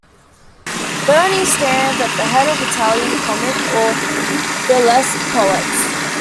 Berni stands at the head of Italian comic or burlesque poets.